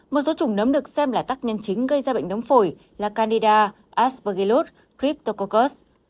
một số chủng nấm được xem là tác nhân chính gây ra bệnh nấm phổi là candida aspergillus cryptococcus